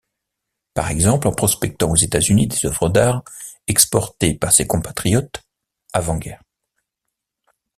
Par exemple en prospectant aux États-Unis des œuvres d'art exportées par ses compatriotes, avant-guerre.